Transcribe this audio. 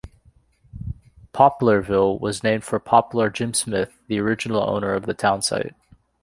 Poplarville was named for Poplar Jim Smith, the original owner of the town site.